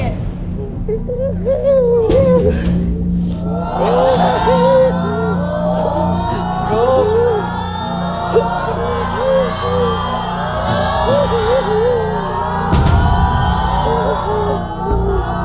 ถูกคำ